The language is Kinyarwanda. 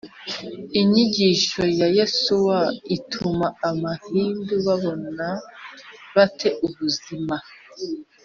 inyigisho ya yosuwa ituma abahindu babona bate ubuzima?